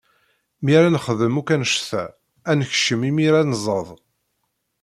Mi ara nexdem akk anect-a, ad nekcem imir ad nẓeḍ.